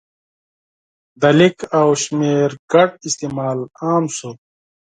د لیک او شمېر ګډ استعمال عام شو.